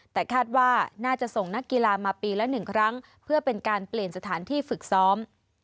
แต่คาดว่าน่าจะส่งนักกีฬามาปีละ๑ครั้งเพื่อเป็นการเปลี่ยนสถานที่ฝึกซ้อม